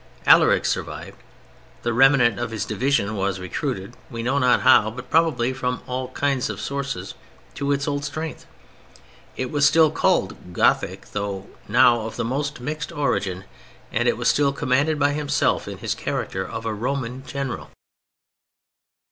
Alaric survived. The remnant of his division was recruited, we know not how, but probably from all kinds of sources, to its old strength. It was still called "Gothic," though now of the most mixed origin, and it was still commanded by himself in his character of a Roman General.